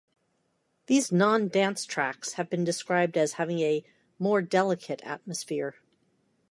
These non-dance tracks have been described as having a "more delicate atmosphere".